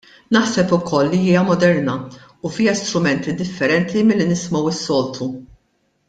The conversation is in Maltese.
Naħseb ukoll li hija moderna u fiha strumenti differenti milli nisimgħu s-soltu.